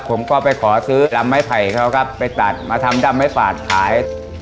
ผมก็ไปขอซื้อลำไม้ไผ่เขาครับไปตัดมาทำดำไม้ฝาดขาย